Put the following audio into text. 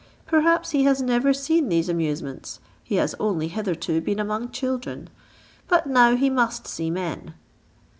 Perhaps he has never seen these amusements, he has only hitherto been among children; but now he must see men."